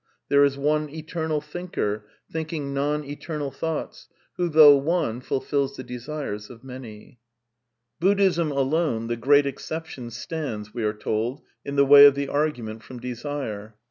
^' There is one eternal Thinker, thinking non eternal thoughts, who, though one, fulfils the desires of many. ..." iKatha Upanishad, ii. 5.) Buddhism alone, the Great Exception, stands, we are told, in the way of the argument from desire.